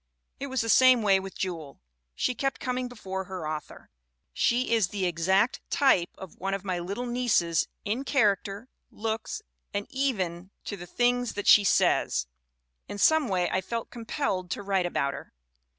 It was the same way with Jewel. She kept coming before her author. "She is the exact type of one of my little nieces, in character, looks, and even to the 276 THE WOMEN WHO MAKE OUR NOVELS things that she says. In some way I felt compelled to write about her."